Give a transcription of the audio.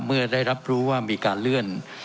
เมื่อได้รับรู้ว่ามีการเลื่อน